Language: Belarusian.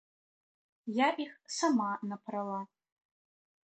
Я іх сама напрала.